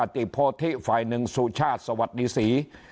ติโพธิฝ่ายหนึ่งสุชาติสวัสดีศรี